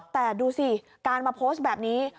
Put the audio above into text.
แต่ดูสิการมาโพสต์แบบนี้